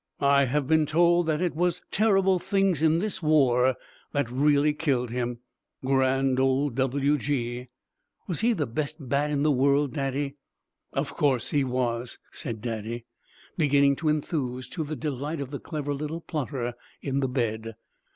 I have been told that it was the terrible things in this war that really killed him. Grand old W. G.!" "Was he the best bat in the world, Daddy?" "Of course he was," said Daddy, beginning to enthuse to the delight of the clever little plotter in the bed.